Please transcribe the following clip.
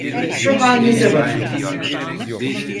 Şu halinize bakın!